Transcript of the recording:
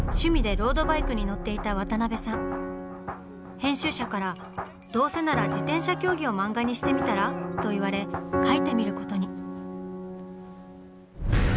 編集者から「どうせなら自転車競技を漫画にしてみたら？」と言われ描いてみることに。